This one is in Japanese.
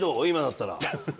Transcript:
今だったら。